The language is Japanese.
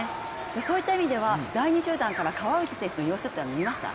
そういった意味では第２集団から川内選手の様子って見えました？